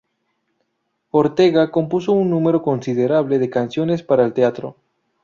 Ortega compuso un número considerable de canciones para el teatro.